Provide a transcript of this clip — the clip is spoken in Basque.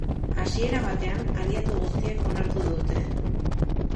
Hasiera batean, aliatu guztiek onartu dute.